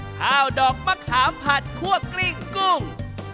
๑ข้าวดอกมะขามผัดขั้วกรีกกุ้ง